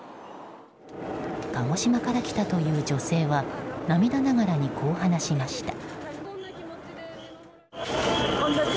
鹿児島から来たという女性は涙ながらに、こう話しました。